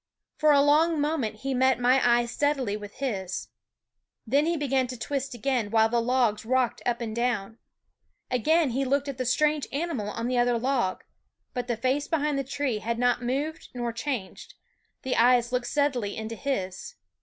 For a long moment he met my eyes steadily with his. Then he began to twist again, while the logs rocked up and down. Again he looked at the strange animal on the other log; but the face behind the tree had not moved nor changed ; the eyes looked steadily into his.